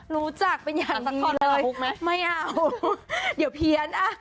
รู้จักเป็นอย่างละครเลยไม่เอาเดี๋ยวเพี้ยนอ่ะ